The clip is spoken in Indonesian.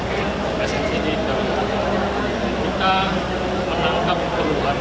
tidak ada nih ini adalah titik rehabilitasi perang tra conceal